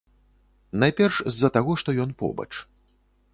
Найперш з-за таго, што ён побач.